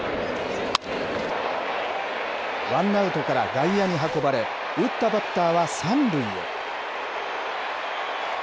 ワンアウトから外野に運ばれ、打ったバッターは３塁へ。